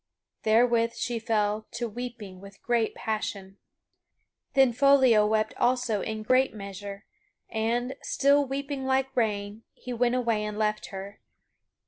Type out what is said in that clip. Therewith she fell to weeping with great passion. Then Foliot wept also in great measure and, still weeping like rain, he went away and left her.